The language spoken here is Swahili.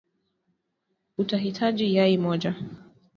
utahitaji yai moja